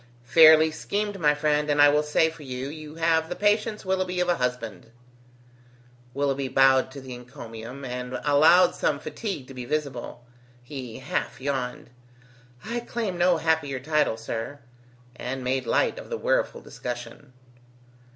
"Fairly schemed, my friend, and I will say for you, you have the patience, Willoughby, of a husband!" Willoughby bowed to the encomium, and allowed some fatigue to be visible. He half yawned: "I claim no happier title, sir," and made light of the weariful discussion.